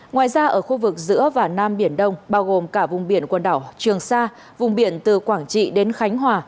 ngoài ra ở khu vực giữa và nam biển đông bao gồm cả vùng biển quần đảo trường sa vùng biển từ quảng trị đến khánh hòa